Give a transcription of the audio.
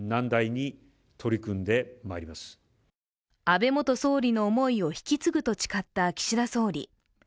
安倍元総理の思いを引き継ぐと誓った岸田総理。